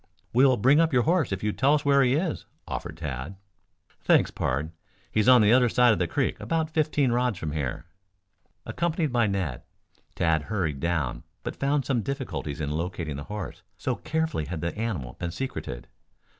"We'll bring up your horse if you will tell us where he is," offered Tad. "Thanks, pard. He's on the other side of the creek about fifteen rods from here." Accompanied by Ned, Tad hurried down, but found some difficulty in locating the horse, so carefully had the animal been secreted.